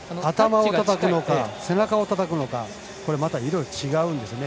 頭をたたくのか背中をたたくのか違うんですね。